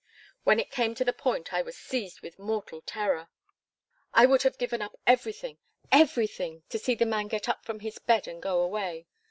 When it came to the point I was seized with mortal terror. I would have given up everything everything to see the man get up from his bed and go away.